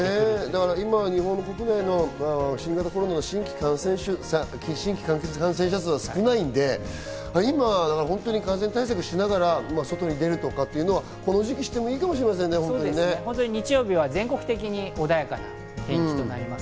日本国内の新型コロナの新規感染者数が少ないので、今、感染対策をしながら外に出るとか、この時期してもいいかもしれませんね。日曜日は全国的に穏やかな天気となります。